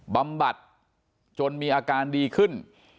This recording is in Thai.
บำบัดจนมีอาการดีขึ้น